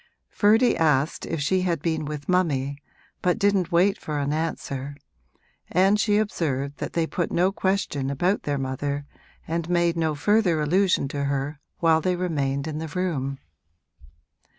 Ferdy asked if she had been with mummy, but didn't wait for an answer, and she observed that they put no question about their mother and made no further allusion to her while they remained in the room.